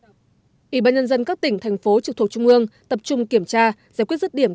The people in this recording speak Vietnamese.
ủy ban nhân dân các tỉnh thành phố trực thuộc trung ương tập trung kiểm tra giải quyết rứt điểm